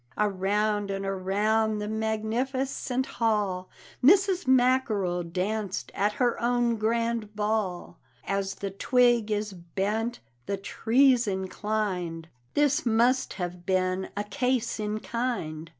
Around and around the magnificent hall Mrs. Mackerel danced at her own grand ball. "As the twig is bent the tree's inclined;" This must have been a case in kind.